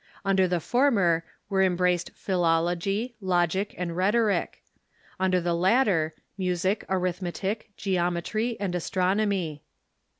Under the former were embraced philology, logic, and rhetoric ; under the latter, music, arithmetic, geometry, and astronomy.